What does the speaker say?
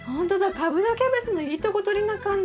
カブとキャベツのいいとこ取りな感じ。